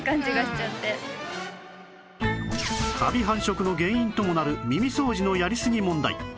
カビ繁殖の原因ともなる耳掃除のやりすぎ問題